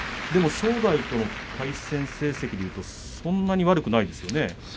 正代との対戦成績でいうとそんなに悪くないですね。